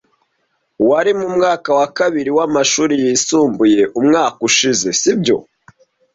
Wari mu mwaka wa kabiri w'amashuri yisumbuye umwaka ushize, sibyo?